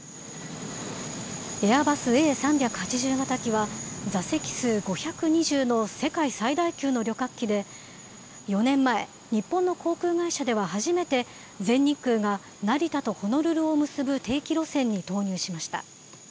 エアバスＡ３８０型機は、座席数５２０の世界最大級の旅客機で、４年前、日本の航空会社では初めて、全日空が成田とホノルルを結ぶ定期路線に投入しました。